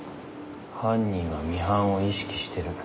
犯人はミハンを意識してる。